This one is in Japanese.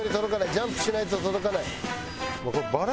ジャンプしないと届かない。